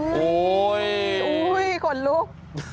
โอ้โฮอูยกล่นรุก